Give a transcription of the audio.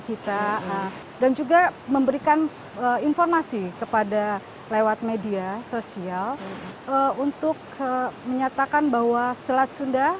kita dan juga memberikan informasi kepada lewat media sosial untuk menyatakan bahwa selat sunda